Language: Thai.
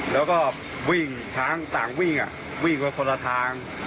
แล้วก็วิ่งช้างต่างวิ่งวิ่งไปคนละทาง